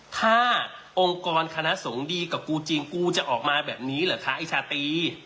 ถ้าองค์กรคณะสงฆ์ดีกับกูจริงกูจะออกมาแบบนี้เหรอคะไอ้ชาตรี